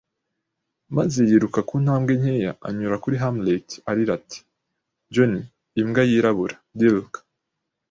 maze yiruka kuntambwe nkeya, anyura kuri hamlet, arira, ati: "Johnny, Imbwa Yirabura, Dirk,"